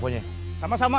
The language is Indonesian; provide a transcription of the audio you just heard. bukanmu tetep menyumbah